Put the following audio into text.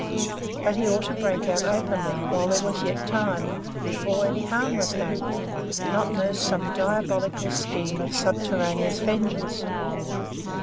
But he ought to break out openly, while there was yet time before any harm was done not nurse some diabolical scheme of subterraneous vengeance.